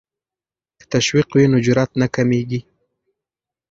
که تشویق وي نو جرات نه کمېږي.